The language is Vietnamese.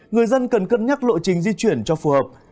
người dân cần cân nhắc lộ trình di chuyển cho phù hợp